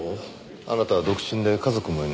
あなたは独身で家族もいない。